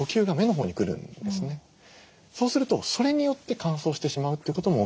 そうするとそれによって乾燥してしまうということも起きてきてます。